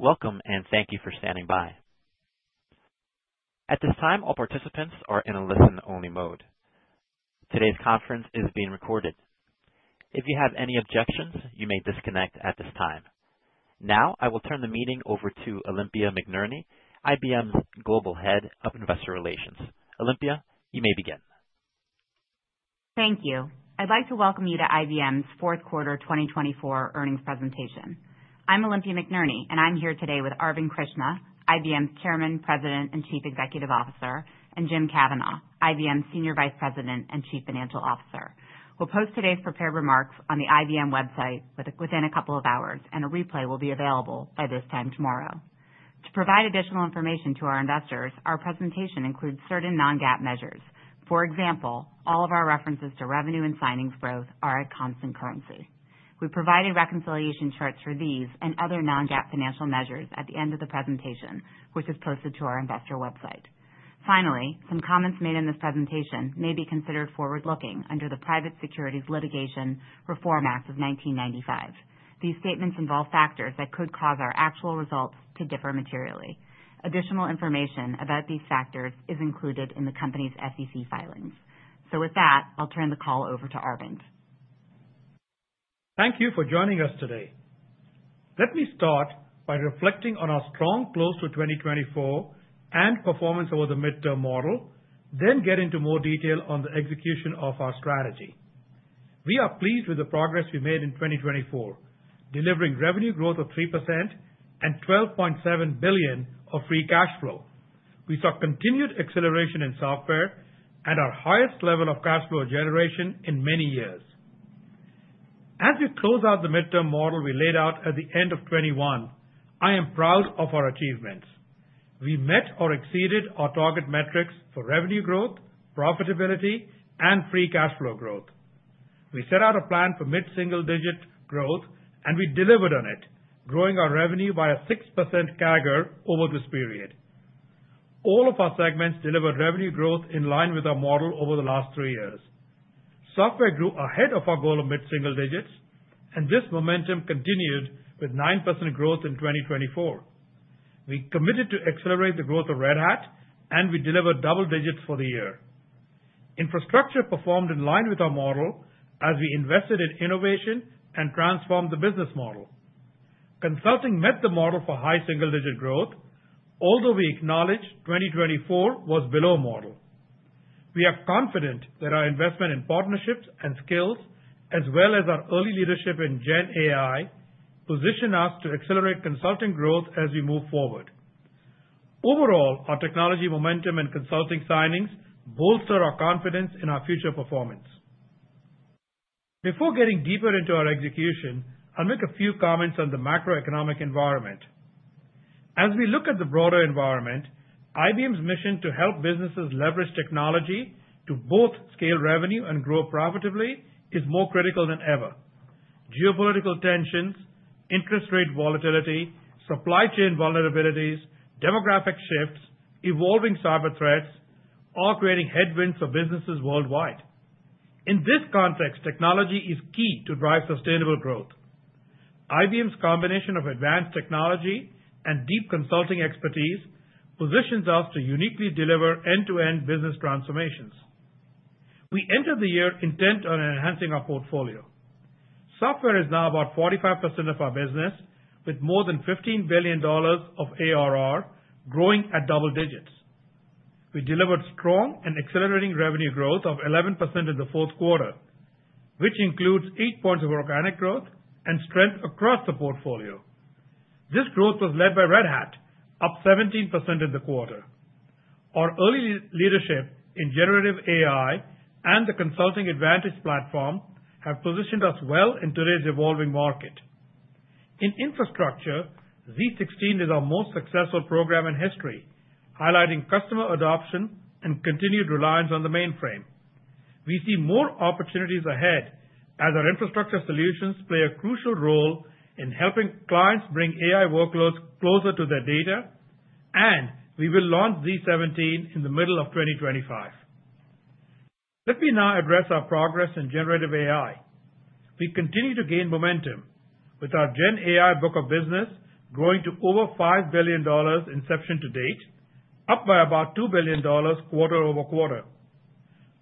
Welcome, and thank you for standing by. At this time, all participants are in a listen-only mode. Today's conference is being recorded. If you have any objections, you may disconnect at this time. Now, I will turn the meeting over to Olympia McNerney, IBM's Global Head of Investor Relations. Olympia, you may begin. Thank you. I'd like to welcome you to IBM's fourth quarter 2024 earnings presentation. I'm Olympia McNerney, and I'm here today with Arvind Krishna, IBM's Chairman, President, and Chief Executive Officer, and James Kavanaugh, IBM's Senior Vice President and Chief Financial Officer. We'll post today's prepared remarks on the IBM website within a couple of hours, and a replay will be available by this time tomorrow. To provide additional information to our investors, our presentation includes certain non-GAAP measures. For example, all of our references to revenue and signings growth are at constant currency. We provided reconciliation charts for these and other non-GAAP financial measures at the end of the presentation, which is posted to our investor website. Finally, some comments made in this presentation may be considered forward-looking under the Private Securities Litigation Reform Act of 1995. These statements involve factors that could cause our actual results to differ materially. Additional information about these factors is included in the company's SEC filings. So, with that, I'll turn the call over to Arvind. Thank you for joining us today. Let me start by reflecting on our strong close to 2024 and performance over the Midterm model, then get into more detail on the execution of our strategy. We are pleased with the progress we made in 2024, delivering revenue growth of 3% and $12.7 billion of free cash flow. We saw continued acceleration in software and our highest level of cash flow generation in many years. As we close out the Midterm model we laid out at the end of 2021, I am proud of our achievements. We met or exceeded our target metrics for revenue growth, profitability, and free cash flow growth. We set out a plan for mid-single-digit growth, and we delivered on it, growing our revenue by a 6% CAGR over this period. All of our segments delivered revenue growth in line with our model over the last three years. Software grew ahead of our goal of mid-single digits, and this momentum continued with 9% growth in 2024. We committed to accelerate the growth of Red Hat, and we delivered double digits for the year. Infrastructure performed in line with our model as we invested in innovation and transformed the business model. Consulting met the model for high single-digit growth, although we acknowledge 2024 was below model. We are confident that our investment in partnerships and skills, as well as our early leadership in GenAI, position us to accelerate consulting growth as we move forward. Overall, our technology momentum and consulting signings bolster our confidence in our future performance. Before getting deeper into our execution, I'll make a few comments on the macroeconomic environment. As we look at the broader environment, IBM's mission to help businesses leverage technology to both scale revenue and grow profitably is more critical than ever. Geopolitical tensions, interest rate volatility, supply chain vulnerabilities, demographic shifts, evolving cyber threats are creating headwinds for businesses worldwide. In this context, technology is key to drive sustainable growth. IBM's combination of advanced technology and deep consulting expertise positions us to uniquely deliver end-to-end business transformations. We entered the year intent on enhancing our portfolio. Software is now about 45% of our business, with more than $15 billion of ARR growing at double digits. We delivered strong and accelerating revenue growth of 11% in the fourth quarter, which includes eight points of organic growth and strength across the portfolio. This growth was led by Red Hat, up 17% in the quarter. Our early leadership in generative AI and the Consulting Advantage platform have positioned us well in today's evolving market. In infrastructure, Z16 is our most successful program in history, highlighting customer adoption and continued reliance on the mainframe. We see more opportunities ahead as our infrastructure solutions play a crucial role in helping clients bring AI workloads closer to their data, and we will launch Z17 in the middle of 2025. Let me now address our progress in generative AI. We continue to gain momentum, with our GenAI book of business growing to over $5 billion inception to date, up by about $2 billion quarter over quarter.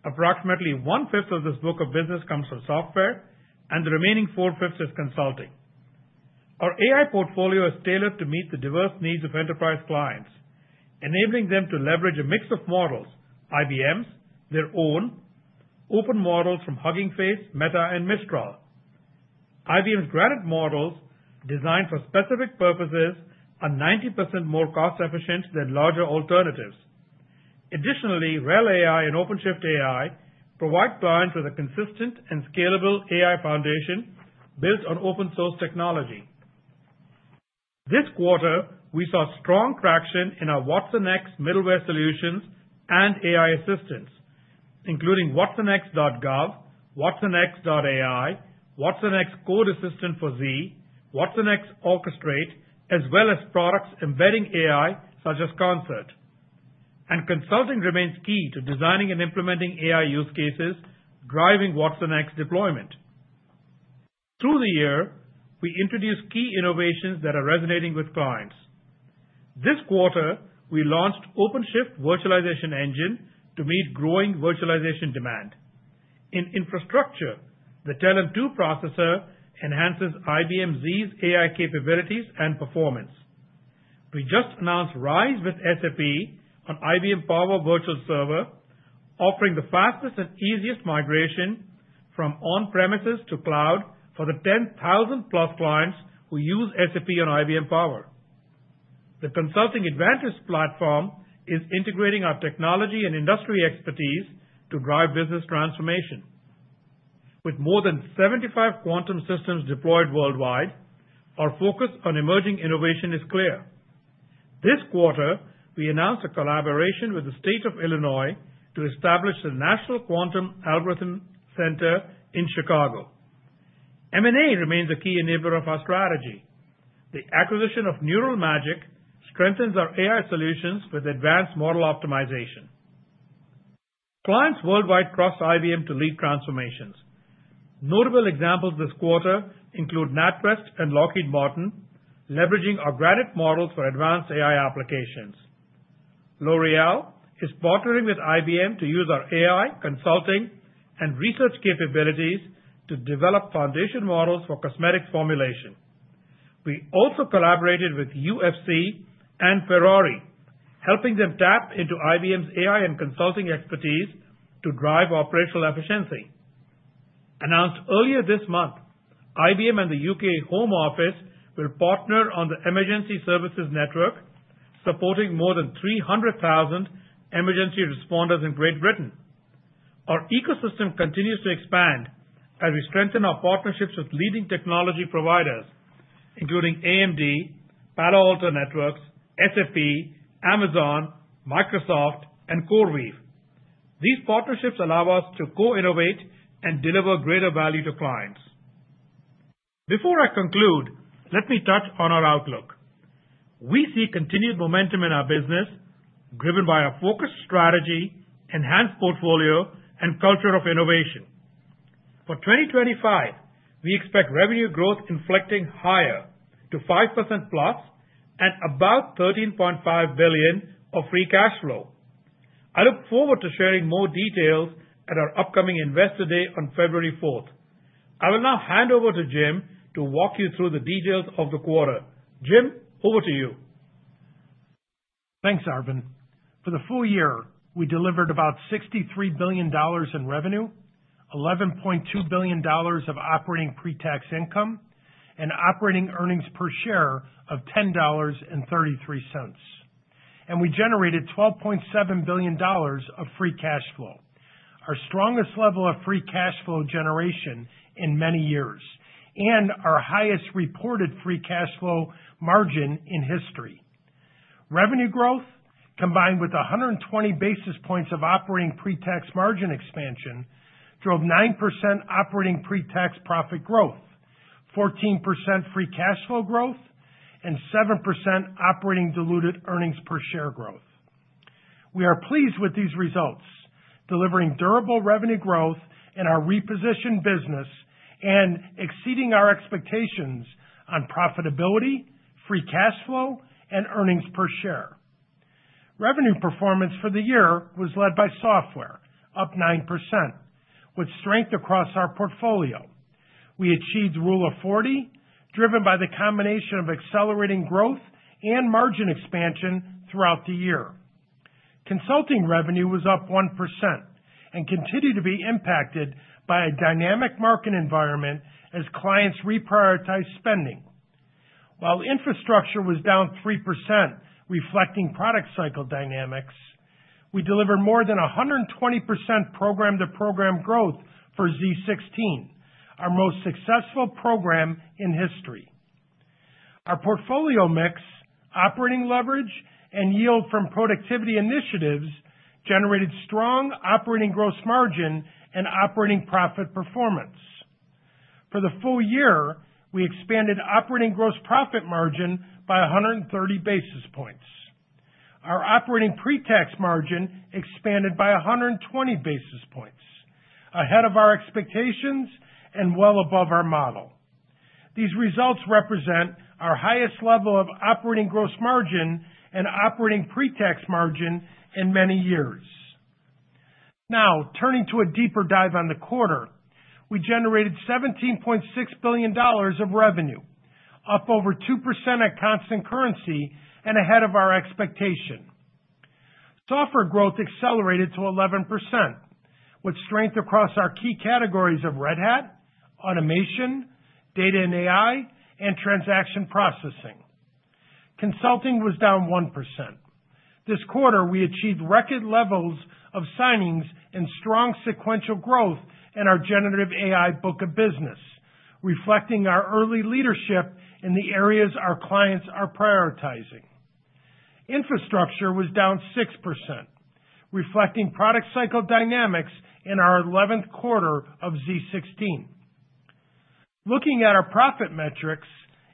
Approximately one-fifth of this book of business comes from software, and the remaining four-fifths is consulting. Our AI portfolio is tailored to meet the diverse needs of enterprise clients, enabling them to leverage a mix of models: IBM's, their own, open models from Hugging Face, Meta, and Mistral. IBM's Granite models, designed for specific purposes, are 90% more cost-efficient than larger alternatives. Additionally, RHEL AI and OpenShift AI provide clients with a consistent and scalable AI foundation built on open-source technology. This quarter, we saw strong traction in our watsonx middleware solutions and AI assistants, including watsonx.governance, watsonx.ai, watsonx Code Assistant for Z, watsonx Orchestrate, as well as products embedding AI such as Concert, and consulting remains key to designing and implementing AI use cases, driving watsonx deployment. Through the year, we introduced key innovations that are resonating with clients. This quarter, we launched OpenShift Virtualization to meet growing virtualization demand. In infrastructure, the Telum II processor enhances IBM Z's AI capabilities and performance. We just announced RISE with SAP on IBM Power Virtual Server, offering the fastest and easiest migration from on-premises to cloud for the 10,000-plus clients who use SAP on IBM Power. The Consulting Advantage platform is integrating our technology and industry expertise to drive business transformation. With more than 75 quantum systems deployed worldwide, our focus on emerging innovation is clear. This quarter, we announced a collaboration with the state of Illinois to establish the National Quantum Algorithm Center in Chicago. M&A remains a key enabler of our strategy. The acquisition of Neural Magic strengthens our AI solutions with advanced model optimization. Clients worldwide trust IBM to lead transformations. Notable examples this quarter include NatWest and Lockheed Martin, leveraging our Granite models for advanced AI applications. L'Oréal is partnering with IBM to use our AI consulting and research capabilities to develop foundation models for cosmetic formulation. We also collaborated with UFC and Ferrari, helping them tap into IBM's AI and consulting expertise to drive operational efficiency. Announced earlier this month, IBM and the UK Home Office will partner on the Emergency Services Network, supporting more than 300,000 emergency responders in Great Britain. Our ecosystem continues to expand as we strengthen our partnerships with leading technology providers, including AMD, Palo Alto Networks, SAP, Amazon, Microsoft, and CoreWeave. These partnerships allow us to co-innovate and deliver greater value to clients. Before I conclude, let me touch on our outlook. We see continued momentum in our business, driven by our focused strategy, enhanced portfolio, and culture of innovation. For 2025, we expect revenue growth inflecting higher to 5% plus and about $13.5 billion of free cash flow. I look forward to sharing more details at our upcoming Investor Day on February 4th. I will now hand over to Jim to walk you through the details of the quarter. Jim, over to you. Thanks, Arvind. For the full year, we delivered about $63 billion in revenue, $11.2 billion of operating pre-tax income, and operating earnings per share of $10.33. And we generated $12.7 billion of free cash flow, our strongest level of free cash flow generation in many years, and our highest reported free cash flow margin in history. Revenue growth, combined with 120 basis points of operating pre-tax margin expansion, drove 9% operating pre-tax profit growth, 14% free cash flow growth, and 7% operating diluted earnings per share growth. We are pleased with these results, delivering durable revenue growth in our repositioned business and exceeding our expectations on profitability, free cash flow, and earnings per share. Revenue performance for the year was led by software, up 9%, with strength across our portfolio. We achieved Rule of 40, driven by the combination of accelerating growth and margin expansion throughout the year. Consulting revenue was up 1% and continued to be impacted by a dynamic market environment as clients reprioritized spending. While infrastructure was down 3%, reflecting product cycle dynamics, we delivered more than 120% program-to-program growth for Z16, our most successful program in history. Our portfolio mix, operating leverage, and yield from productivity initiatives generated strong operating gross margin and operating profit performance. For the full year, we expanded operating gross profit margin by 130 basis points. Our operating pre-tax margin expanded by 120 basis points, ahead of our expectations and well above our model. These results represent our highest level of operating gross margin and operating pre-tax margin in many years. Now, turning to a deeper dive on the quarter, we generated $17.6 billion of revenue, up over 2% at constant currency and ahead of our expectation. Software growth accelerated to 11%, with strength across our key categories of Red Hat, automation, data and AI, and transaction processing. Consulting was down 1%. This quarter, we achieved record levels of signings and strong sequential growth in our generative AI book of business, reflecting our early leadership in the areas our clients are prioritizing. Infrastructure was down 6%, reflecting product cycle dynamics in our 11th quarter of Z16. Looking at our profit metrics,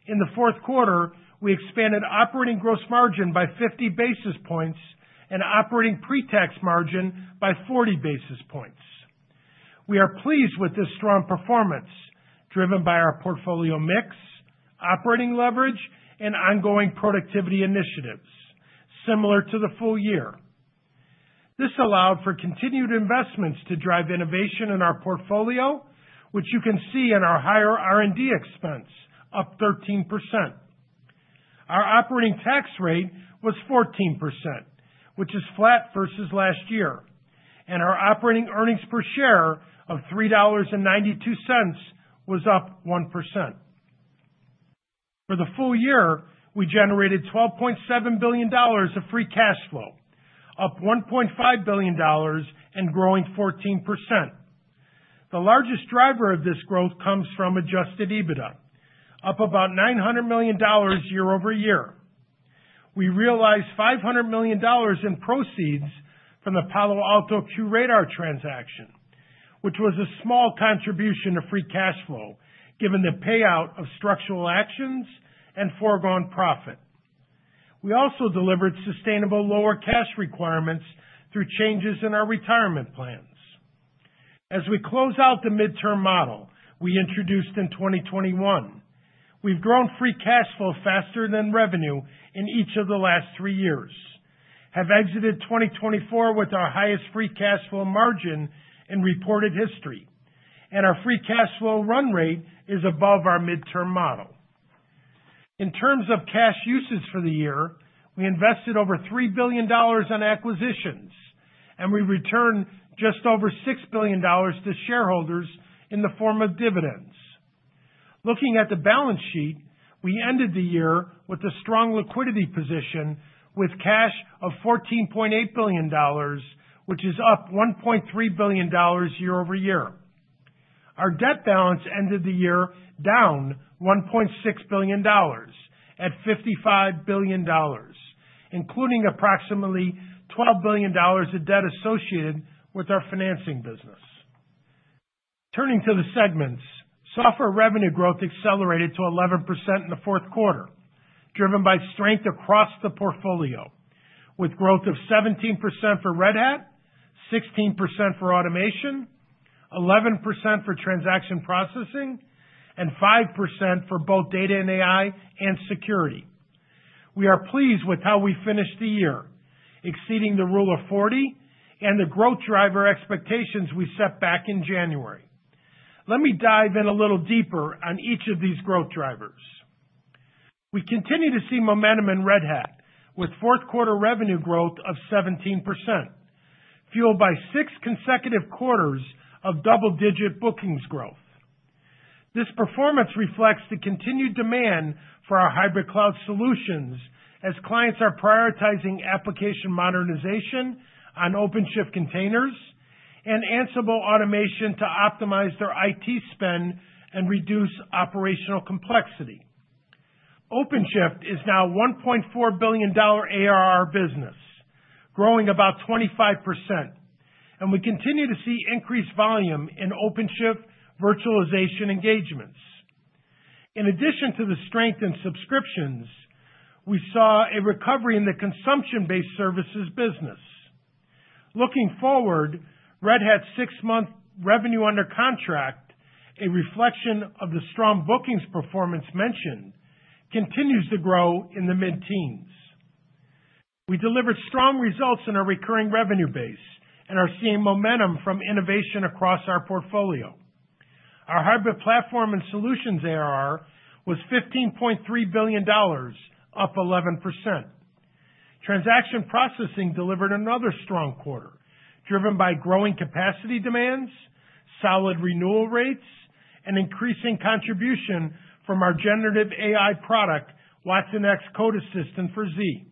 in the fourth quarter, we expanded operating gross margin by 50 basis points and operating pre-tax margin by 40 basis points. We are pleased with this strong performance, driven by our portfolio mix, operating leverage, and ongoing productivity initiatives, similar to the full year. This allowed for continued investments to drive innovation in our portfolio, which you can see in our higher R&D expense, up 13%. Our operating tax rate was 14%, which is flat versus last year, and our operating earnings per share of $3.92 was up 1%. For the full year, we generated $12.7 billion of free cash flow, up $1.5 billion and growing 14%. The largest driver of this growth comes from Adjusted EBITDA, up about $900 million year over year. We realized $500 million in proceeds from the Palo Alto QRadar transaction, which was a small contribution to free cash flow, given the payout of structural actions and foregone profit. We also delivered sustainable lower cash requirements through changes in our retirement plans. As we close out the midterm model we introduced in 2021, we've grown free cash flow faster than revenue in each of the last three years, have exited 2024 with our highest free cash flow margin in reported history, and our free cash flow run rate is above our midterm model. In terms of cash usage for the year, we invested over $3 billion on acquisitions, and we returned just over $6 billion to shareholders in the form of dividends. Looking at the balance sheet, we ended the year with a strong liquidity position with cash of $14.8 billion, which is up $1.3 billion year over year. Our debt balance ended the year down $1.6 billion at $55 billion, including approximately $12 billion of debt associated with our financing business. Turning to the segments, software revenue growth accelerated to 11% in the fourth quarter, driven by strength across the portfolio, with growth of 17% for Red Hat, 16% for automation, 11% for transaction processing, and 5% for both data and AI and security. We are pleased with how we finished the year, exceeding the Rule of 40 and the growth driver expectations we set back in January. Let me dive in a little deeper on each of these growth drivers. We continue to see momentum in Red Hat, with fourth quarter revenue growth of 17%, fueled by six consecutive quarters of double-digit bookings growth. This performance reflects the continued demand for our hybrid cloud solutions as clients are prioritizing application modernization on OpenShift containers and Ansible automation to optimize their IT spend and reduce operational complexity. OpenShift is now a $1.4 billion ARR business, growing about 25%, and we continue to see increased volume in OpenShift virtualization engagements. In addition to the strength in subscriptions, we saw a recovery in the consumption-based services business. Looking forward, Red Hat's six-month revenue under contract, a reflection of the strong bookings performance mentioned, continues to grow in the mid-teens. We delivered strong results in our recurring revenue base and are seeing momentum from innovation across our portfolio. Our hybrid platform and solutions ARR was $15.3 billion, up 11%. Transaction processing delivered another strong quarter, driven by growing capacity demands, solid renewal rates, and increasing contribution from our generative AI product, watsonx Code Assistant for Z.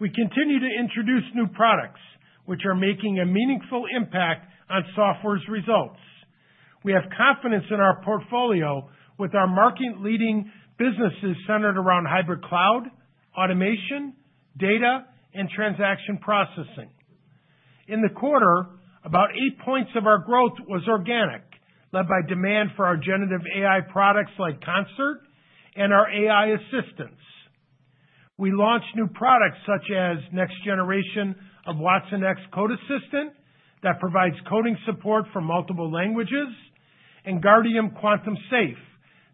We continue to introduce new products, which are making a meaningful impact on Software's results. We have confidence in our portfolio with our market-leading businesses centered around hybrid cloud, automation, data, and transaction processing. In the quarter, about eight points of our growth was organic, led by demand for our generative AI products like Concert and our AI Assistants. We launched new products such as next generation of watsonx Code Assistant that provides coding support for multiple languages and Guardium Quantum Safe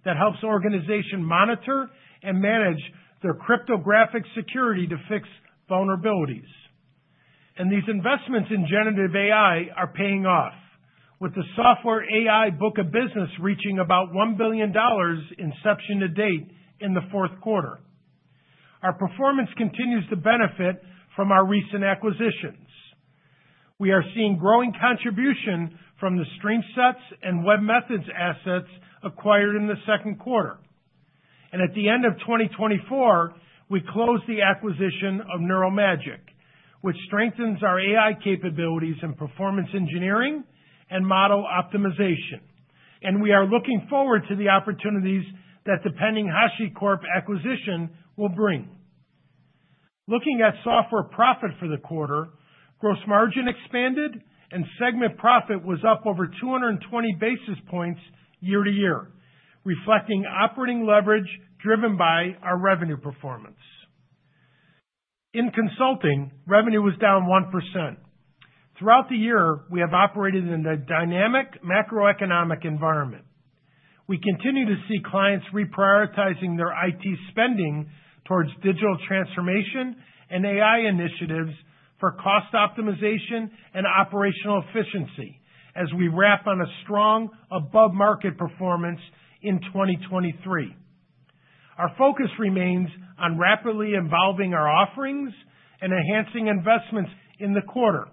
that helps organizations monitor and manage their cryptographic security to fix vulnerabilities. And these investments in generative AI are paying off, with the software AI book of business reaching about $1 billion inception to date in the fourth quarter. Our performance continues to benefit from our recent acquisitions. We are seeing growing contribution from the StreamSets and webMethods assets acquired in the second quarter. And at the end of 2024, we closed the acquisition of Neural Magic, which strengthens our AI capabilities in performance engineering and model optimization. And we are looking forward to the opportunities that the pending HashiCorp acquisition will bring. Looking at software profit for the quarter, gross margin expanded and segment profit was up over 220 basis points year to year, reflecting operating leverage driven by our revenue performance. In consulting, revenue was down 1%. Throughout the year, we have operated in a dynamic macroeconomic environment. We continue to see clients reprioritizing their IT spending towards digital transformation and AI initiatives for cost optimization and operational efficiency as we wrap up on a strong above-market performance in 2023. Our focus remains on rapidly evolving our offerings and enhancing investments. In the quarter,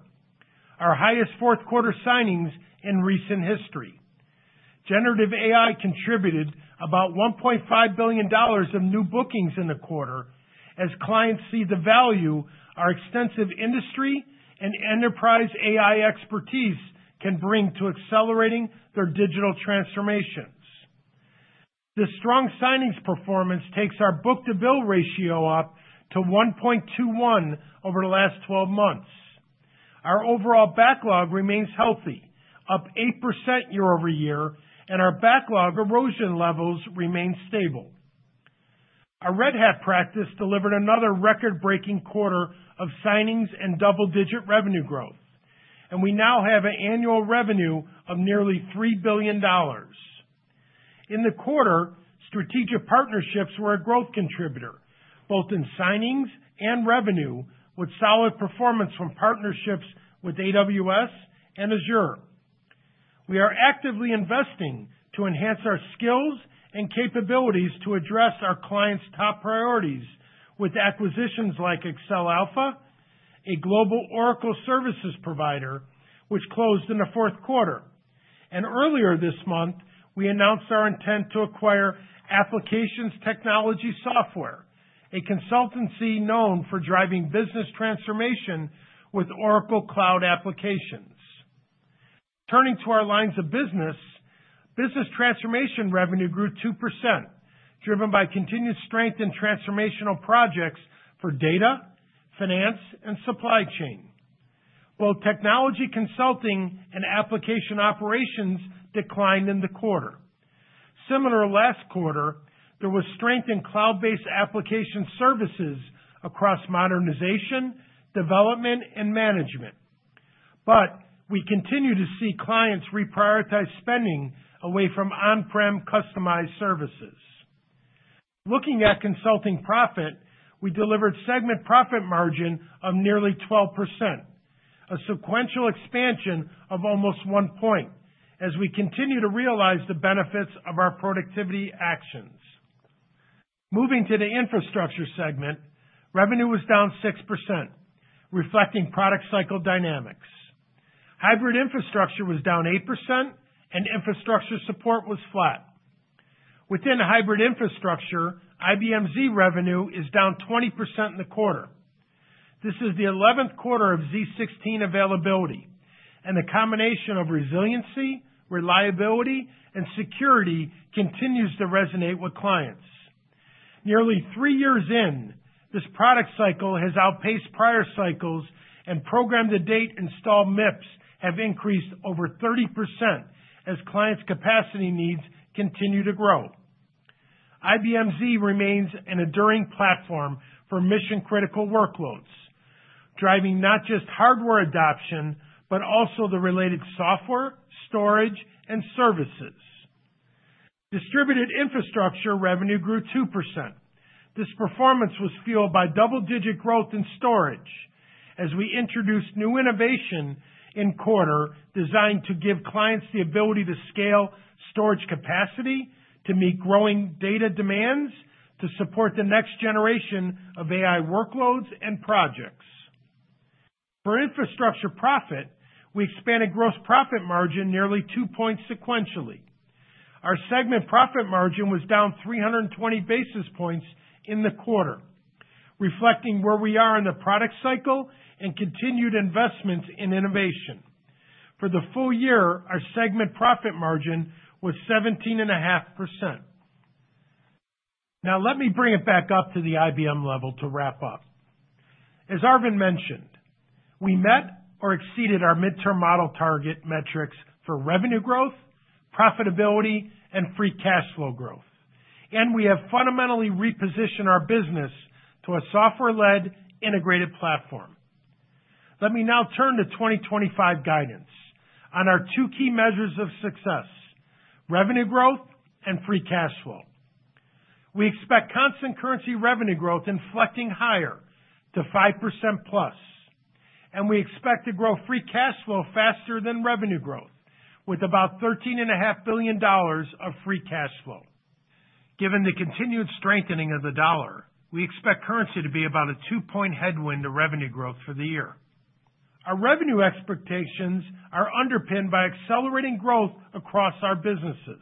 our highest fourth quarter signings in recent history. Generative AI contributed about $1.5 billion of new bookings in the quarter as clients see the value our extensive industry and enterprise AI expertise can bring to accelerating their digital transformations. The strong signings performance takes our book-to-bill ratio up to 1.21 over the last 12 months. Our overall backlog remains healthy, up 8% year over year, and our backlog erosion levels remain stable. Our Red Hat practice delivered another record-breaking quarter of signings and double-digit revenue growth, and we now have an annual revenue of nearly $3 billion. In the quarter, strategic partnerships were a growth contributor, both in signings and revenue, with solid performance from partnerships with AWS and Azure. We are actively investing to enhance our skills and capabilities to address our clients' top priorities with acquisitions like Accelalpha, a global Oracle services provider, which closed in the fourth quarter. Earlier this month, we announced our intent to acquire Application Software Technology, a consultancy known for driving business transformation with Oracle Cloud applications. Turning to our lines of business, business transformation revenue grew 2%, driven by continued strength in transformational projects for data, finance, and supply chain. Both technology consulting and application operations declined in the quarter. Similar to last quarter, there was strength in cloud-based application services across modernization, development, and management. But we continue to see clients reprioritize spending away from on-prem customized services. Looking at consulting profit, we delivered segment profit margin of nearly 12%, a sequential expansion of almost one point as we continue to realize the benefits of our productivity actions. Moving to the infrastructure segment, revenue was down 6%, reflecting product cycle dynamics. Hybrid infrastructure was down 8%, and infrastructure support was flat. Within hybrid infrastructure, IBM Z revenue is down 20% in the quarter. This is the 11th quarter of Z16 availability, and the combination of resiliency, reliability, and security continues to resonate with clients. Nearly three years in, this product cycle has outpaced prior cycles, and program-to-date installed MIPS have increased over 30% as clients' capacity needs continue to grow. IBM Z remains an enduring platform for mission-critical workloads, driving not just hardware adoption but also the related software, storage, and services. Distributed infrastructure revenue grew 2%. This performance was fueled by double-digit growth in storage as we introduced new innovation in quarter designed to give clients the ability to scale storage capacity to meet growing data demands to support the next generation of AI workloads and projects. For infrastructure profit, we expanded gross profit margin nearly two points sequentially. Our segment profit margin was down 320 basis points in the quarter, reflecting where we are in the product cycle and continued investments in innovation. For the full year, our segment profit margin was 17.5%. Now, let me bring it back up to the IBM level to wrap up. As Arvind mentioned, we met or exceeded our midterm model target metrics for revenue growth, profitability, and free cash flow growth, and we have fundamentally repositioned our business to a software-led integrated platform. Let me now turn to 2025 guidance on our two key measures of success: revenue growth and free cash flow. We expect constant currency revenue growth inflecting higher to 5% plus, and we expect to grow free cash flow faster than revenue growth with about $13.5 billion of free cash flow. Given the continued strengthening of the dollar, we expect currency to be about a two-point headwind to revenue growth for the year. Our revenue expectations are underpinned by accelerating growth across our businesses.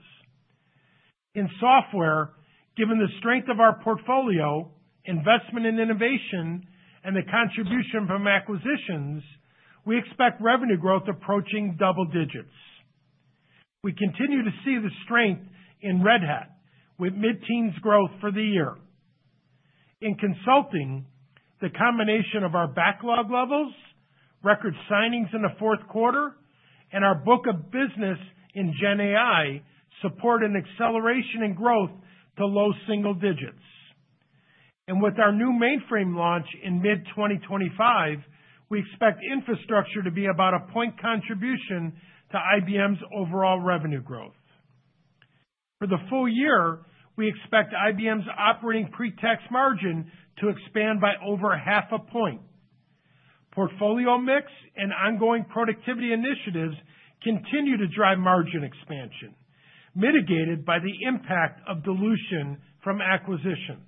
In software, given the strength of our portfolio, investment in innovation, and the contribution from acquisitions, we expect revenue growth approaching double digits. We continue to see the strength in Red Hat with mid-teens growth for the year. In consulting, the combination of our backlog levels, record signings in the fourth quarter, and our book of business in GenAI support an acceleration in growth to low single digits. And with our new mainframe launch in mid-2025, we expect infrastructure to be about a point contribution to IBM's overall revenue growth. For the full year, we expect IBM's operating pre-tax margin to expand by over half a point. Portfolio mix and ongoing productivity initiatives continue to drive margin expansion, mitigated by the impact of dilution from acquisitions.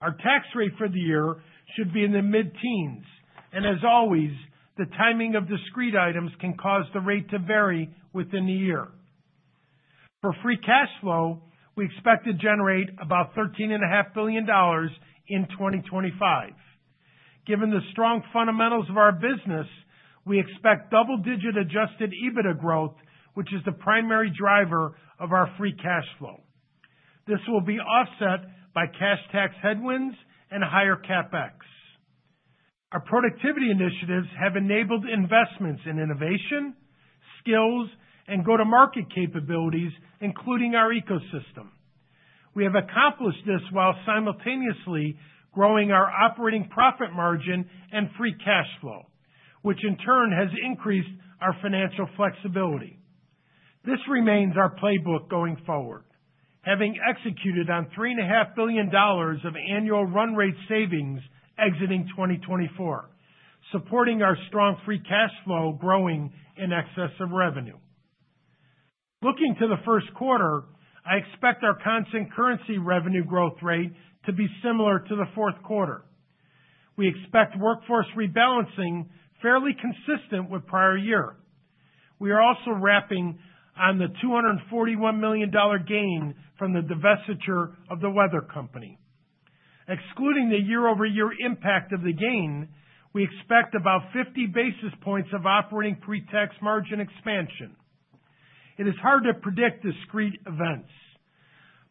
Our tax rate for the year should be in the mid-teens, and as always, the timing of discrete items can cause the rate to vary within the year. For free cash flow, we expect to generate about $13.5 billion in 2025. Given the strong fundamentals of our business, we expect double-digit adjusted EBITDA growth, which is the primary driver of our free cash flow. This will be offset by cash tax headwinds and higher CapEx. Our productivity initiatives have enabled investments in innovation, skills, and go-to-market capabilities, including our ecosystem. We have accomplished this while simultaneously growing our operating profit margin and free cash flow, which in turn has increased our financial flexibility. This remains our playbook going forward, having executed on $3.5 billion of annual run rate savings exiting 2024, supporting our strong free cash flow growing in excess of revenue. Looking to the first quarter, I expect our constant currency revenue growth rate to be similar to the fourth quarter. We expect workforce rebalancing fairly consistent with prior year. We are also lapping the $241 million gain from the divestiture of The Weather Company. Excluding the year-over-year impact of the gain, we expect about 50 basis points of operating pre-tax margin expansion. It is hard to predict discrete events,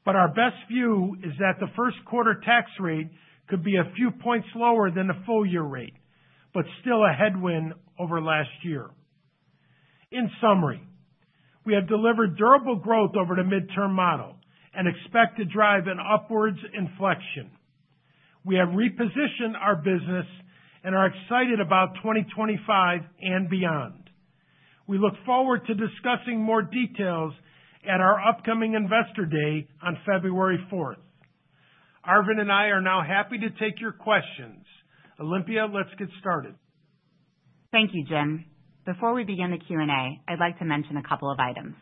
but our best view is that the first quarter tax rate could be a few points lower than the full-year rate, but still a headwind over last year. In summary, we have delivered durable growth over the midterm model and expect to drive an upward inflection. We have repositioned our business and are excited about 2025 and beyond. We look forward to discussing more details at our upcoming investor day on February 4th. Arvind and I are now happy to take your questions. Olympia, let's get started. Thank you, Jim. Before we begin the Q&A, I'd like to mention a couple of items.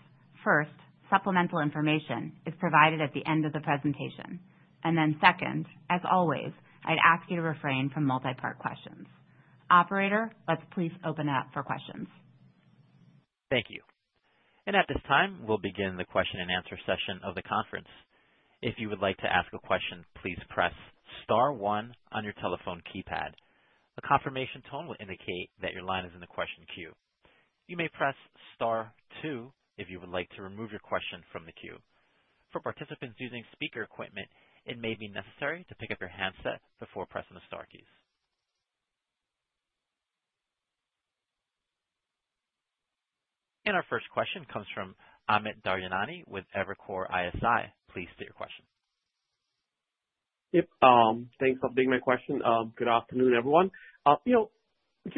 First, supplemental information is provided at the end of the presentation. And then second, as always, I'd ask you to refrain from multipart questions. Operator, let's please open it up for questions. Thank you. And at this time, we'll begin the question and answer session of the conference. If you would like to ask a question, please press Star 1 on your telephone keypad. A confirmation tone will indicate that your line is in the question queue. You may press Star 2 if you would like to remove your question from the queue. For participants using speaker equipment, it may be necessary to pick up your handset before pressing the Star keys. Our first question comes from Amit Daryanani with Evercore ISI. Please state your question. Yep. Thanks for taking my question. Good afternoon, everyone. Hopefully, we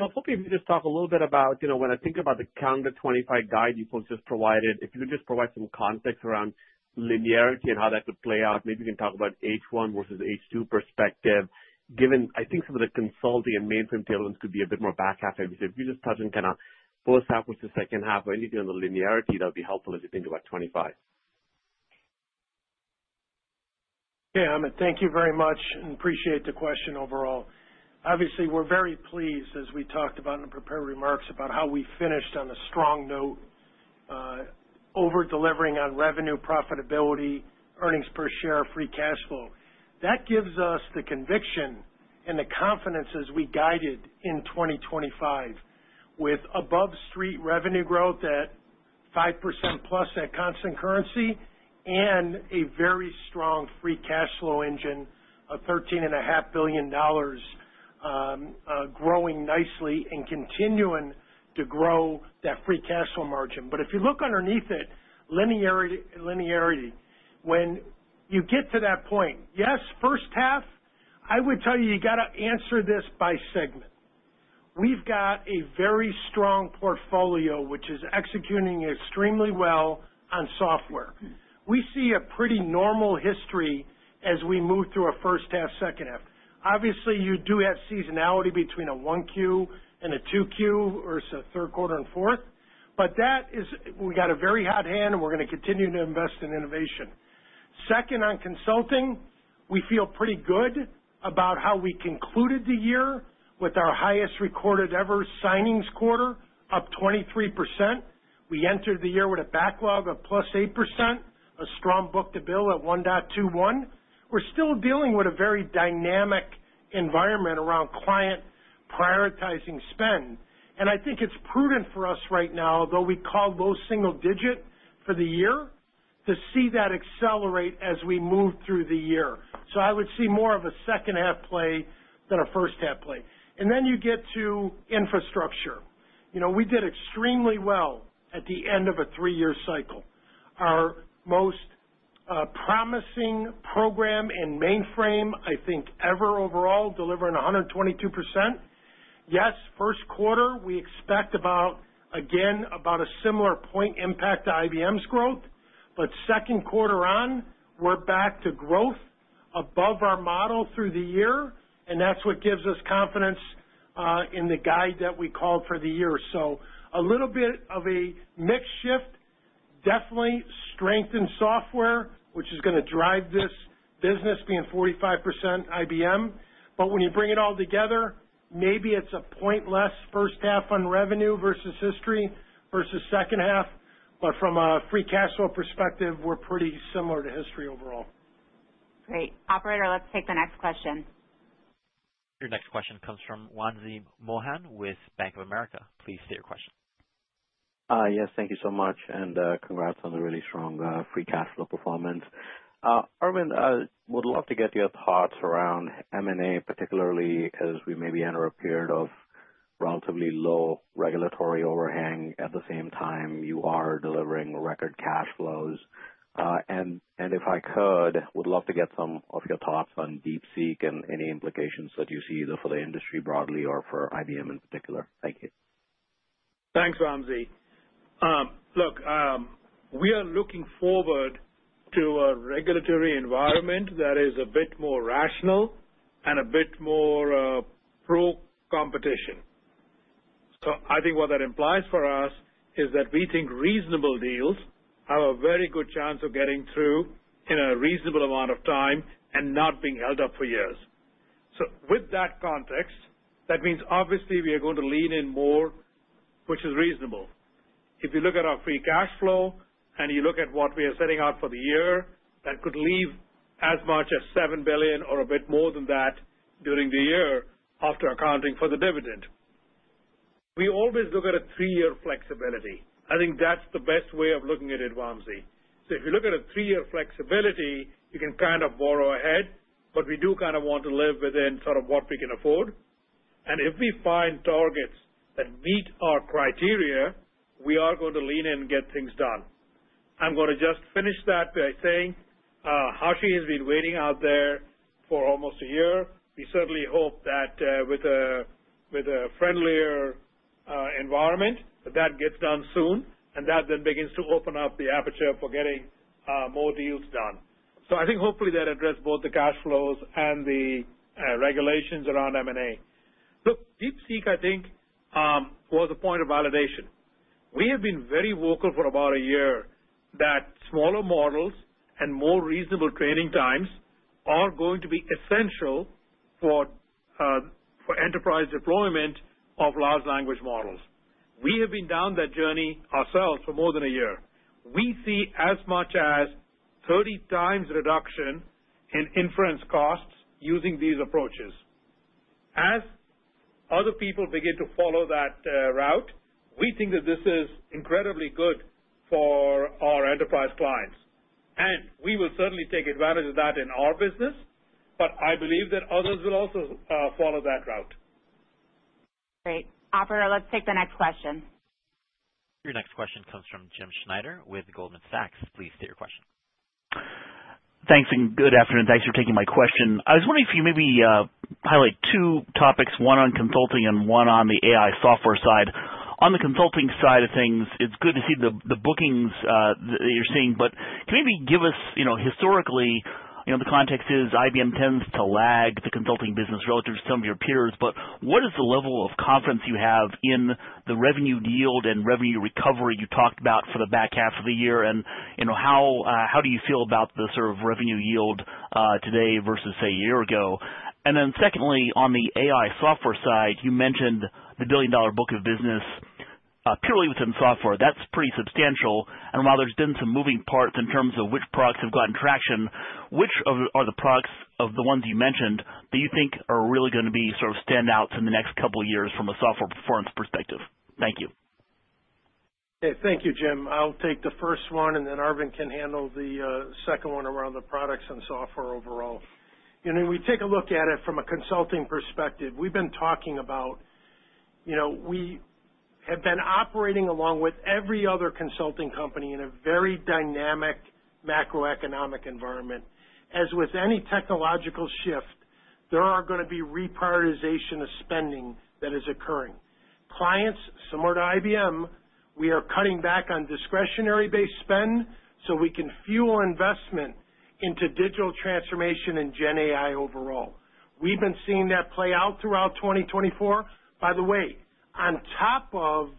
can just talk a little bit about when I think about the calendar 25 guide you folks just provided, if you could just provide some context around linearity and how that could play out. Maybe we can talk about H1 versus H2 perspective, given, I think, some of the consulting and mainframe tailwinds could be a bit more back half, I would say. If you could just touch on kind of first half versus second half or anything on the linearity, that would be helpful as you think about 25. Okay, Amit, thank you very much and appreciate the question overall. Obviously, we're very pleased, as we talked about in the prepared remarks, about how we finished on a strong note, over-delivering on revenue, profitability, earnings per share, free cash flow. That gives us the conviction and the confidence as we guided in 2025 with above-street revenue growth at 5% plus at constant currency and a very strong free cash flow engine of $13.5 billion growing nicely and continuing to grow that free cash flow margin. But if you look underneath it, linearity, when you get to that point, yes, first half, I would tell you you got to answer this by segment. We've got a very strong portfolio, which is executing extremely well on software. We see a pretty normal history as we move through our first half, second half. Obviously, you do have seasonality between a Q1 and a Q2 versus a third quarter and fourth, but we got a very hot hand and we're going to continue to invest in innovation. Second, on consulting, we feel pretty good about how we concluded the year with our highest recorded ever signings quarter, up 23%. We entered the year with a backlog of +8%, a strong book-to-bill at 1.21. We're still dealing with a very dynamic environment around client prioritizing spend. And I think it's prudent for us right now, although we called low single digit for the year, to see that accelerate as we move through the year. So I would see more of a second half play than a first half play. And then you get to infrastructure. We did extremely well at the end of a three-year cycle. Our most promising program and mainframe, I think, ever overall, delivering 122%. Yes, first quarter, we expect again about a similar point impact to IBM's growth, but second quarter on, we're back to growth above our model through the year, and that's what gives us confidence in the guide that we called for the year. So a little bit of a mixed shift, definitely strengthened software, which is going to drive this business being 45% IBM. But when you bring it all together, maybe it's a point less first half on revenue versus history versus second half, but from a free cash flow perspective, we're pretty similar to history overall. Great. Operator, let's take the next question. Your next question comes from Wamsi Mohan with Bank of America. Please state your question. Yes, thank you so much, and congrats on the really strong free cash flow performance. Arvind, would love to get your thoughts around M&A, particularly as we may be entering a period of relatively low regulatory overhang. At the same time, you are delivering record cash flows. And if I could, would love to get some of your thoughts on DeepSeek and any implications that you see either for the industry broadly or for IBM in particular. Thank you. Thanks, Wamsi. Look, we are looking forward to a regulatory environment that is a bit more rational and a bit more pro-competition. So I think what that implies for us is that we think reasonable deals have a very good chance of getting through in a reasonable amount of time and not being held up for years. So with that context, that means obviously we are going to lean in more, which is reasonable. If you look at our free cash flow and you look at what we are setting out for the year, that could leave as much as $7 billion or a bit more than that during the year after accounting for the dividend. We always look at a three-year flexibility. I think that's the best way of looking at it, Wamsi. So if you look at a three-year flexibility, you can kind of borrow ahead, but we do kind of want to live within sort of what we can afford. And if we find targets that meet our criteria, we are going to lean in and get things done. I'm going to just finish that by saying HashiCorp has been waiting out there for almost a year. We certainly hope that with a friendlier environment, that gets done soon, and that then begins to open up the aperture for getting more deals done. So I think hopefully that addressed both the cash flows and the regulations around M&A. Look, DeepSeek, I think, was a point of validation. We have been very vocal for about a year that smaller models and more reasonable training times are going to be essential for enterprise deployment of large language models. We have been down that journey ourselves for more than a year. We see as much as 30 times reduction in inference costs using these approaches. As other people begin to follow that route, we think that this is incredibly good for our enterprise clients. And we will certainly take advantage of that in our business, but I believe that others will also follow that route. Great. Operator, let's take the next question. Your next question comes from Jim Schneider with Goldman Sachs. Please state your question. Thanks, and good afternoon. Thanks for taking my question. I was wondering if you maybe highlight two topics, one on consulting and one on the AI software side. On the consulting side of things, it's good to see the bookings that you're seeing, but can you maybe give us historically the context is IBM tends to lag the consulting business relative to some of your peers, but what is the level of confidence you have in the revenue yield and revenue recovery you talked about for the back half of the year? And how do you feel about the sort of revenue yield today versus, say, a year ago? And then secondly, on the AI software side, you mentioned the billion-dollar book of business purely within software. That's pretty substantial. While there's been some moving parts in terms of which products have gotten traction, which are the products of the ones you mentioned that you think are really going to be sort of standouts in the next couple of years from a software performance perspective? Thank you. Thank you, Jim. I'll take the first one, and then Arvind can handle the second one around the products and software overall. When we take a look at it from a consulting perspective, we've been talking about. We have been operating along with every other consulting company in a very dynamic macroeconomic environment. As with any technological shift, there are going to be reprioritization of spending that is occurring. Clients, similar to IBM, we are cutting back on discretionary-based spend so we can fuel investment into digital transformation and GenAI overall. We've been seeing that play out throughout 2024. By the way, on top of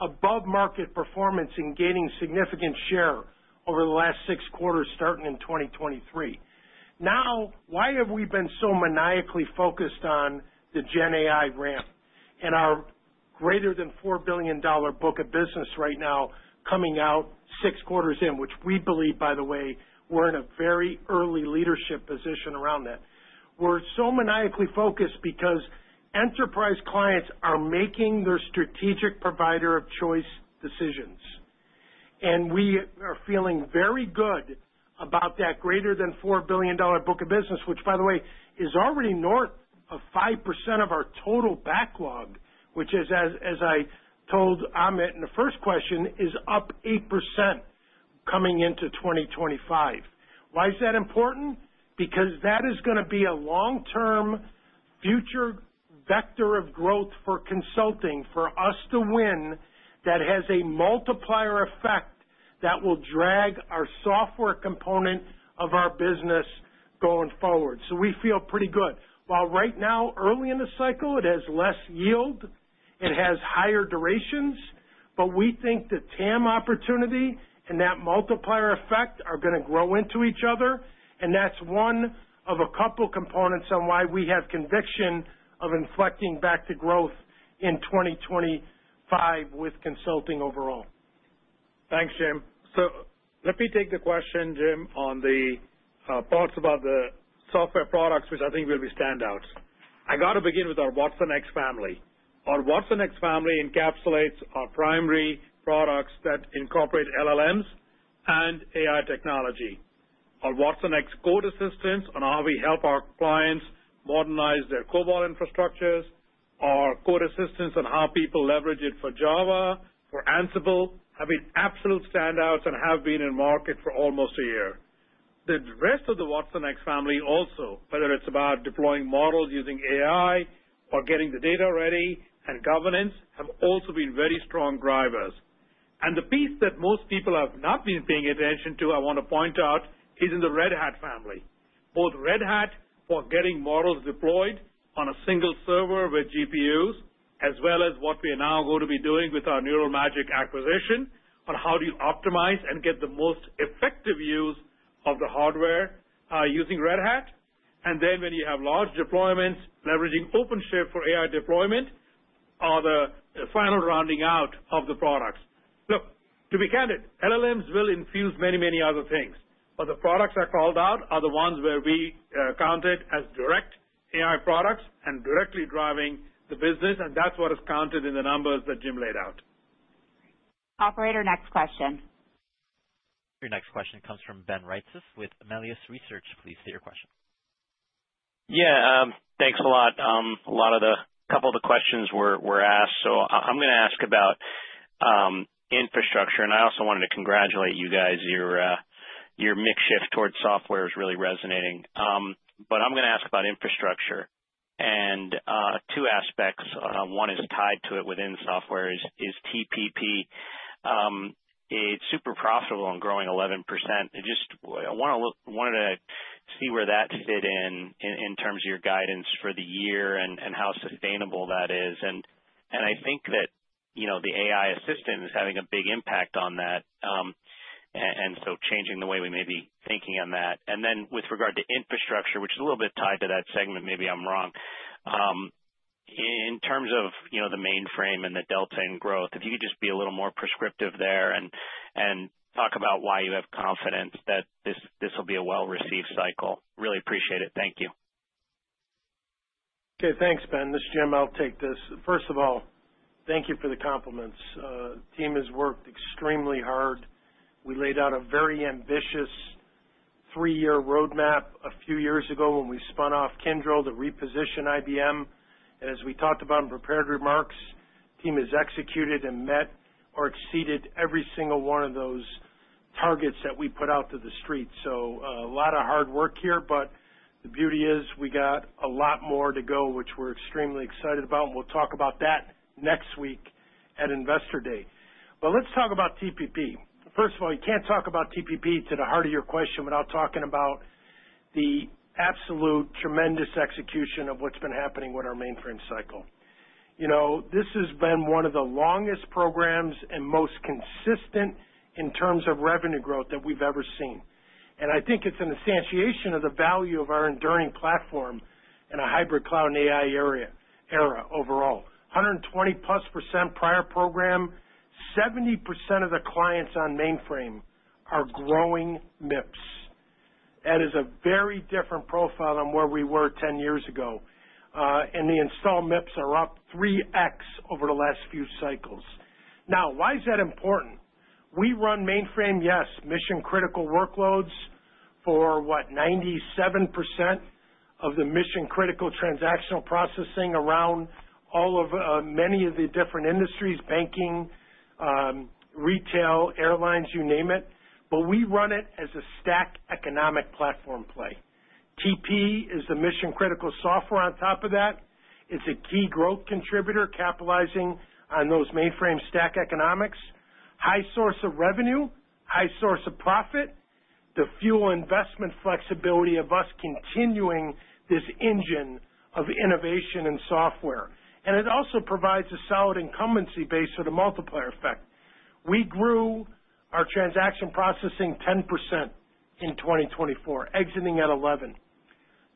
above-market performance and gaining significant share over the last six quarters starting in 2023, now why have we been so maniacally focused on the GenAI ramp and our greater than $4 billion book of business right now coming out six quarters in, which we believe, by the way, we're in a very early leadership position around that? We're so maniacally focused because enterprise clients are making their strategic provider of choice decisions, and we are feeling very good about that greater than $4 billion book of business, which, by the way, is already north of 5% of our total backlog, which is, as I told Ahmed in the first question, up 8% coming into 2025. Why is that important? Because that is going to be a long-term future vector of growth for consulting for us to win that has a multiplier effect that will drag our software component of our business going forward. So we feel pretty good. While right now, early in the cycle, it has less yield. It has higher durations, but we think the TAM opportunity and that multiplier effect are going to grow into each other. And that's one of a couple of components on why we have conviction of inflecting back to growth in 2025 with consulting overall. Thanks, Jim. So let me take the question, Jim, on the parts about the software products, which I think will be standouts. I got to begin with our watsonx family. Our watsonx family encapsulates our primary products that incorporate LLMs and AI technology. Our watsonx Code Assistant on how we help our clients modernize their COBOL infrastructures, our Code Assistant on how people leverage it for Java, for Ansible, have been absolute standouts and have been in market for almost a year. The rest of the watsonx family also, whether it's about deploying models using AI or getting the data ready and governance, have also been very strong drivers, and the piece that most people have not been paying attention to, I want to point out, is in the Red Hat family. Both Red Hat for getting models deployed on a single server with GPUs, as well as what we are now going to be doing with our Neural Magic acquisition on how do you optimize and get the most effective use of the hardware using Red Hat. And then when you have large deployments leveraging OpenShift for AI deployment are the final rounding out of the products. Look, to be candid, LLMs will infuse many, many other things, but the products I called out are the ones where we count it as direct AI products and directly driving the business, and that's what is counted in the numbers that Jim laid out. Operator, next question. Your next question comes from Ben Reitzes with Melius Research. Please state your question. Yeah, thanks a lot. A couple of the questions were asked, so I'm going to ask about infrastructure. And I also wanted to congratulate you guys. Your mixed shift towards software is really resonating. But I'm going to ask about infrastructure. And two aspects, one is tied to it within software, is TPP. It's super profitable and growing 11%. I wanted to see where that fit in in terms of your guidance for the year and how sustainable that is. And I think that the AI assistant is having a big impact on that and so changing the way we may be thinking on that. And then with regard to infrastructure, which is a little bit tied to that segment, maybe I'm wrong, in terms of the mainframe and the delta in growth, if you could just be a little more prescriptive there and talk about why you have confidence that this will be a well-received cycle. Really appreciate it. Thank you. Okay, thanks, Ben. This is Jim. I'll take this. First of all, thank you for the compliments. The team has worked extremely hard. We laid out a very ambitious three-year roadmap a few years ago when we spun off Kyndryl to reposition IBM. As we talked about in prepared remarks, the team has executed and met or exceeded every single one of those targets that we put out to the street. A lot of hard work here, but the beauty is we got a lot more to go, which we're extremely excited about. We'll talk about that next week at Investor Day. Let's talk about TPP. First of all, you can't talk about TPP to the heart of your question without talking about the absolute tremendous execution of what's been happening with our mainframe cycle. This has been one of the longest programs and most consistent in terms of revenue growth that we've ever seen. I think it's an instantiation of the value of our enduring platform in a hybrid cloud and AI era overall. 120+% prior program, 70% of the clients on mainframe are growing MIPS. That is a very different profile than where we were 10 years ago, and the install MIPS are up 3x over the last few cycles. Now, why is that important? We run mainframe, yes, mission-critical workloads for, what, 97% of the mission-critical transactional processing around many of the different industries: banking, retail, airlines, you name it, but we run it as a stacked economic platform play. TP is the mission-critical software on top of that. It's a key growth contributor capitalizing on those mainframe stacked economics. High source of revenue, high source of profit, the fuel investment flexibility of us continuing this engine of innovation and software, and it also provides a solid incumbency base for the multiplier effect. We grew our transaction processing 10% in 2024, exiting at 11%.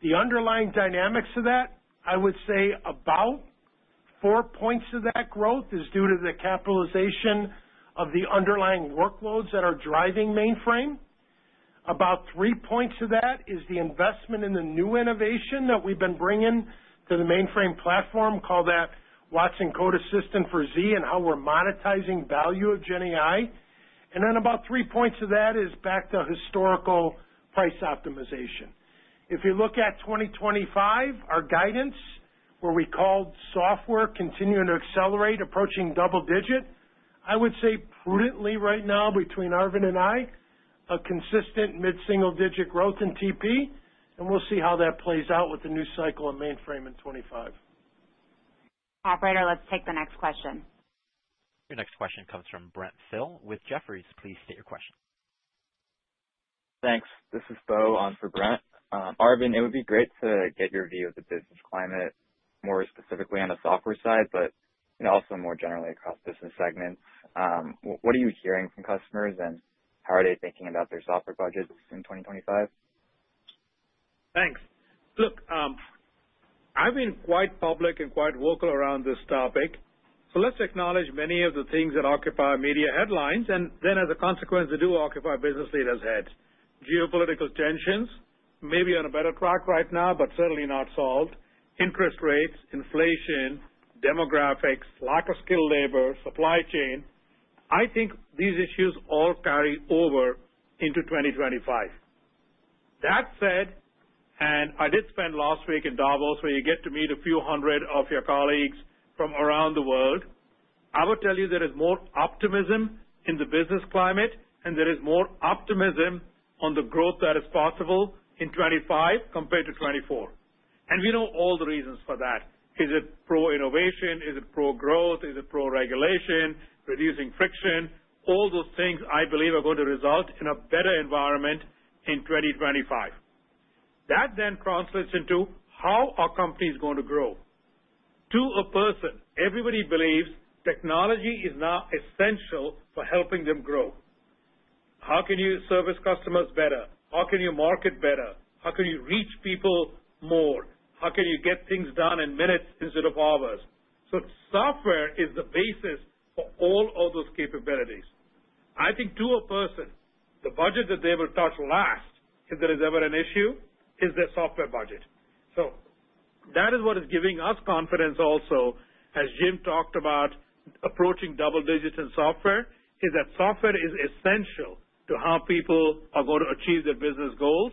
The underlying dynamics of that, I would say about four points of that growth is due to the capitalization of the underlying workloads that are driving mainframe. About three points of that is the investment in the new innovation that we've been bringing to the mainframe platform, call that watsonx Code Assistant for Z and how we're monetizing value of GenAI. And then about three points of that is back to historical price optimization. If you look at 2025, our guidance, where we called software continuing to accelerate, approaching double digit, I would say prudently right now between Arvind and I, a consistent mid-single digit growth in TP, and we'll see how that plays out with the new cycle of mainframe in 2025. Operator, let's take the next question. Your next question comes from Brent Thill with Jefferies. Please state your question. Thanks. This is Beau on for Brent. Arvind, it would be great to get your view of the business climate, more specifically on the software side, but also more generally across business segments. What are you hearing from customers and how are they thinking about their software budgets in 2025? Thanks. Look, I've been quite public and quite vocal around this topic. So let's acknowledge many of the things that occupy media headlines and then, as a consequence, that do occupy business leaders' heads. Geopolitical tensions, maybe on a better track right now, but certainly not solved. Interest rates, inflation, demographics, lack of skilled labor, supply chain. I think these issues all carry over into 2025. That said, and I did spend last week in Davos, where you get to meet a few hundred of your colleagues from around the world, I would tell you there is more optimism in the business climate, and there is more optimism on the growth that is possible in 2025 compared to 2024, and we know all the reasons for that. Is it pro-innovation? Is it pro-growth? Is it pro-regulation, reducing friction? All those things, I believe, are going to result in a better environment in 2025. That then translates into how are companies going to grow. To a person, everybody believes technology is now essential for helping them grow. How can you service customers better? How can you market better? How can you reach people more? How can you get things done in minutes instead of hours, so software is the basis for all of those capabilities. I think to a person, the budget that they will touch last, if there is ever an issue, is their software budget, so that is what is giving us confidence also, as Jim talked about approaching double digits in software, is that software is essential to how people are going to achieve their business goals,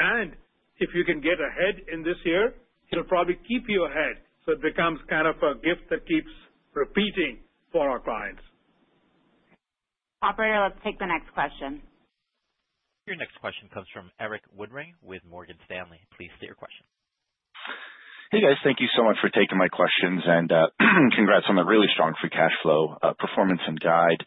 and if you can get ahead in this year, it'll probably keep you ahead, so it becomes kind of a gift that keeps repeating for our clients. Operator, let's take the next question. Your next question comes from Eric Woodring with Morgan Stanley. Please state your question. Hey, guys. Thank you so much for taking my questions and congrats on the really strong free cash flow performance and guide.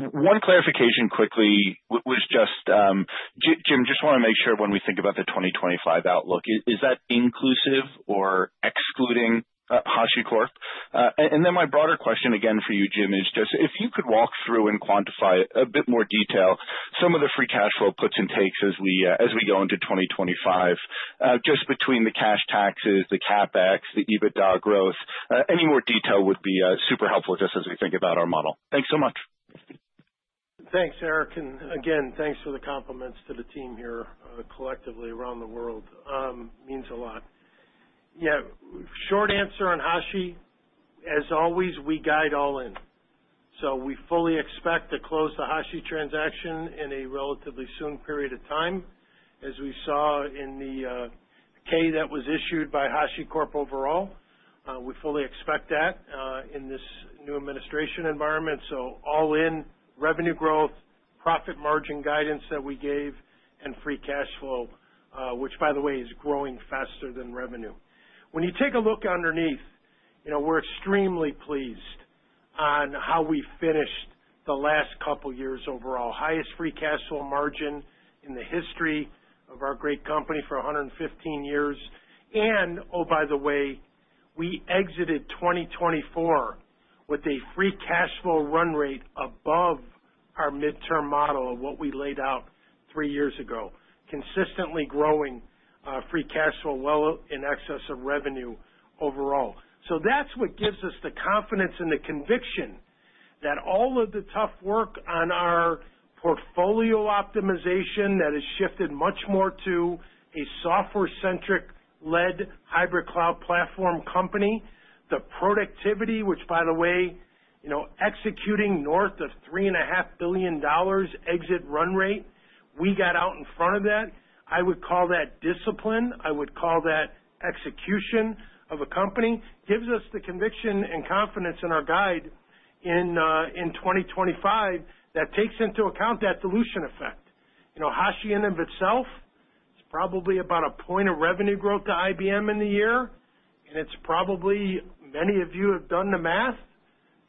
One clarification quickly was just, Jim, just want to make sure when we think about the 2025 outlook, is that inclusive or excluding HashiCorp? And then my broader question again for you, Jim, is just if you could walk through and quantify a bit more detail some of the free cash flow puts and takes as we go into 2025, just between the cash taxes, the CapEx, the EBITDA growth, any more detail would be super helpful just as we think about our model. Thanks so much. Thanks, Eric. And again, thanks for the compliments to the team here collectively around the world. Means a lot. Yeah, short answer on Hashi, as always, we guide all in. So we fully expect to close the Hashi transaction in a relatively soon period of time, as we saw in the K that was issued by HashiCorp overall. We fully expect that in this new administration environment. So all in revenue growth, profit margin guidance that we gave, and free cash flow, which, by the way, is growing faster than revenue. When you take a look underneath, we're extremely pleased on how we finished the last couple of years overall. Highest free cash flow margin in the history of our great company for 115 years, and oh, by the way, we exited 2024 with a free cash flow run rate above our midterm model of what we laid out three years ago, consistently growing free cash flow well in excess of revenue overall. So that's what gives us the confidence and the conviction that all of the tough work on our portfolio optimization that has shifted much more to a software-centric-led hybrid cloud platform company, the productivity, which, by the way, executing north of $3.5 billion exit run rate, we got out in front of that. I would call that discipline. I would call that execution of a company gives us the conviction and confidence in our guidance in 2025 that takes into account that dilution effect. HashiCorp in and of itself, it's probably about a point of revenue growth to IBM in the year. And it's probably many of you have done the math,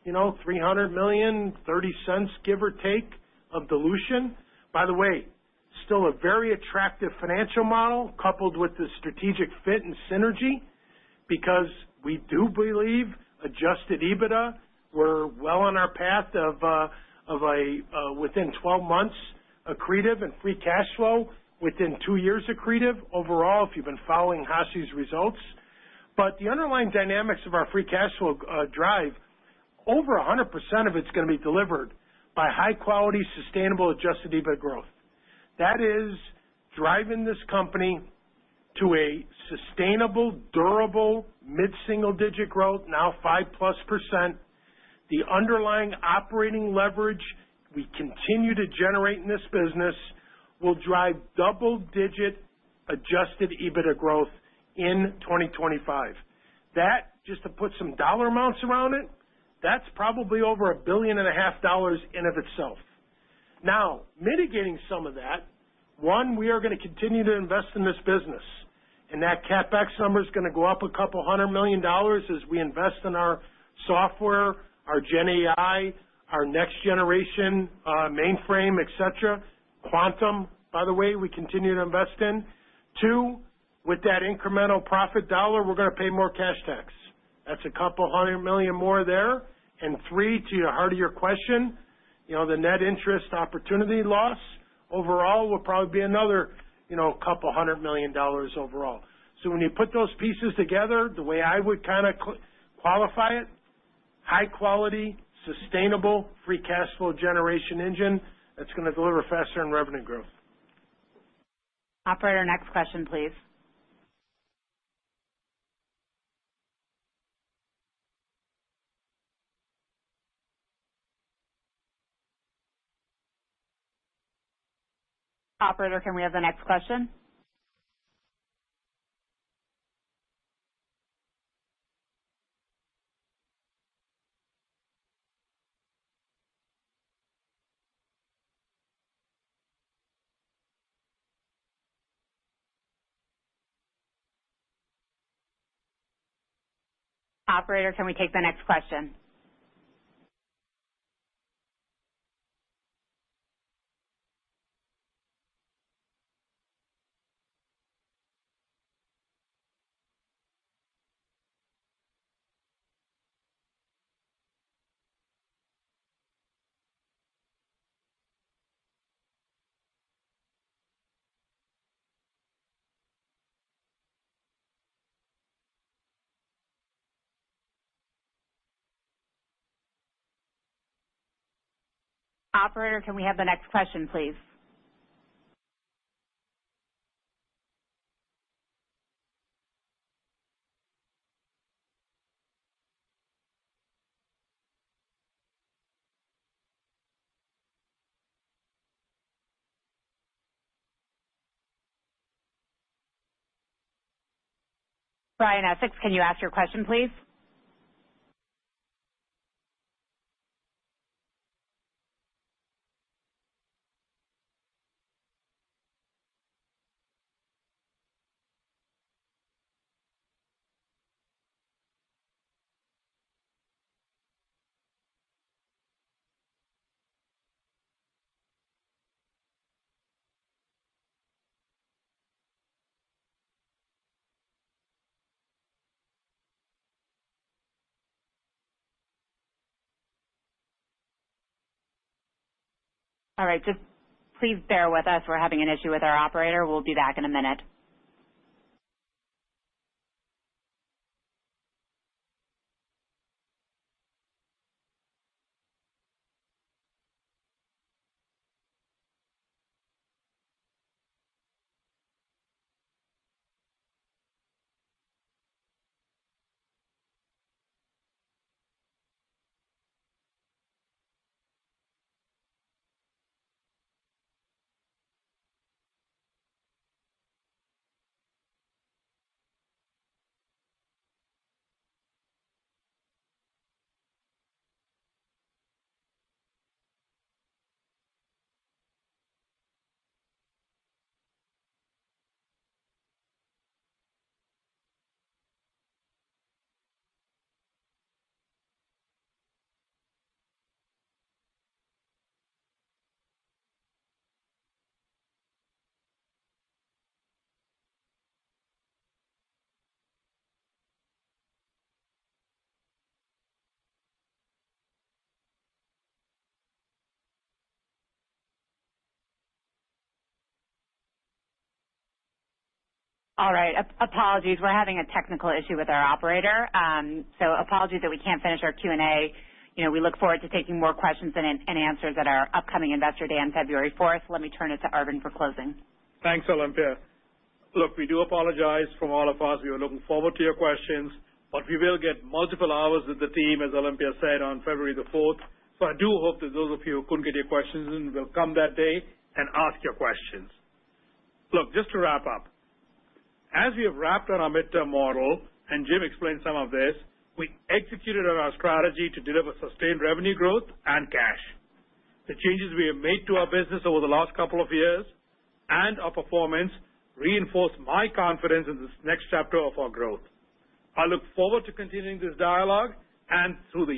$300 million, $0.30, give or take, of dilution. By the way, still a very attractive financial model coupled with the strategic fit and synergy because we do believe Adjusted EBITDA. We're well on our path of, within 12 months, accretive and free cash flow within two years accretive overall if you've been following HashiCorp's results. But the underlying dynamics of our free cash flow drive, over 100% of it's going to be delivered by high-quality, sustainable, Adjusted EBITDA growth. That is driving this company to a sustainable, durable, mid-single-digit growth, now 5+%. The underlying operating leverage we continue to generate in this business will drive double-digit adjusted EBITDA growth in 2025. That, just to put some dollar amounts around it, that's probably over $1.5 billion in and of itself. Now, mitigating some of that, one, we are going to continue to invest in this business, and that CapEx number is going to go up $200 million as we invest in our software, our GenAI, our next-generation mainframe, et cetera, quantum, by the way, we continue to invest in. Two, with that incremental profit dollar, we're going to pay more cash tax. That's $200 million more there. Three, to the heart of your question, the net interest opportunity loss overall will probably be another $200 million overall. So when you put those pieces together, the way I would kind of qualify it, high-quality, sustainable, free cash flow generation engine that's going to deliver faster in revenue growth. Operator, next question, please. Operator, can we have the next question? Operator, can we take the next question? Operator, can we have the next question, please? Brian Essex, can you ask your question, please? All right. Just please bear with us. We're having an issue with our operator. We'll be back in a minute. All right. Apologies. We're having a technical issue with our operator. So apologies that we can't finish our Q&A. We look forward to taking more questions and answers at our upcoming investor day on February 4th. Let me turn it to Arvind for closing. Thanks, Olympia. Look, we do apologize from all of us. We were looking forward to your questions, but we will get multiple hours with the team, as Olympia said, on February the 4th. So I do hope that those of you who couldn't get your questions in will come that day and ask your questions. Look, just to wrap up, as we have wrapped on our midterm model and Jim explained some of this, we executed on our strategy to deliver sustained revenue growth and cash. The changes we have made to our business over the last couple of years and our performance reinforce my confidence in this next chapter of our growth. I look forward to continuing this dialogue and through.